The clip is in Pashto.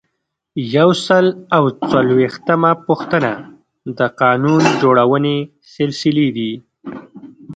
یو سل او څلویښتمه پوښتنه د قانون جوړونې سلسلې دي.